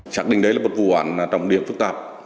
xác định đấy là một vụ án trọng điểm phức tạp